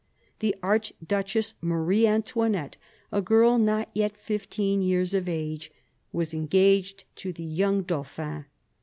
The Archduchess Marie Antoinette, a girl not yet fifteen years of age, was engaged to the young dauphin.